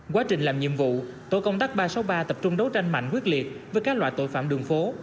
quá trình làm nhiệm vụ tổ công tác ba trăm sáu mươi ba tập trung đấu tranh mạnh quyết liệt với các loại tội phạm đường phố